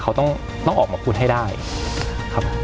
เขาต้องออกมาพูดให้ได้ครับ